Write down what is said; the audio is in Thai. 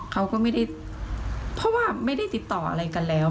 เขาก็ไม่ได้เพราะว่าไม่ได้ติดต่ออะไรกันแล้ว